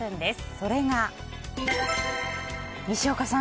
それが、西岡さん